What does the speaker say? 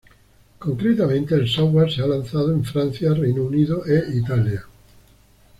Concretamente, el software se ha lanzado en Francia, Reino Unido e Italia.